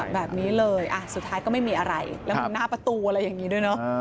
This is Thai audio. แบบนี้เลยสุดท้ายก็ไม่มีอะไรแล้วมีหน้าประตูอะไรอย่างนี้ด้วยเนอะ